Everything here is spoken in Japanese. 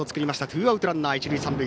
ツーアウトランナー、一塁三塁。